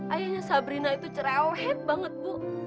ayahnya sabrina itu cerewet banget bu